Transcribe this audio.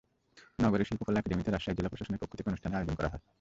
নগরের শিল্পকলা একাডেমীতে রাজশাহী জেলা প্রশাসনের পক্ষ থেকে অনুষ্ঠানের আয়োজন করা হয়।